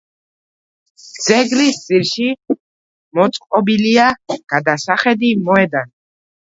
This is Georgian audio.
ძეგლის ძირში მოწყობილია გადასახედი მოედანი.